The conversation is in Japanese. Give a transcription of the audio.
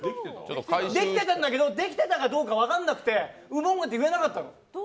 できてたんだけど、できてたかどうか分かんなくてウボンゴって言えなかったの。